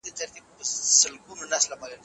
دغه دوره د روم د امپراتورۍ له سقوط څخه پیل سوه.